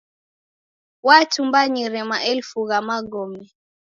Watumbanyire maelfu gha magome.